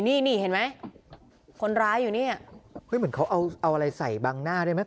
นี่นี่เห็นไหมคนร้ายอยู่เนี่ยเฮ้ยเหมือนเขาเอาเอาอะไรใส่บังหน้าด้วยไหม